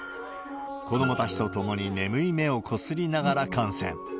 子どもたちと共に眠い目をこすりながら観戦。